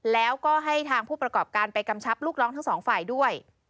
แล้วก็ให้ทางผู้ประกอบการไปกำชับลูกน้องทั้งสองฝ่ายด้วย